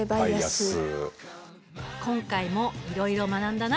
今回もいろいろ学んだな。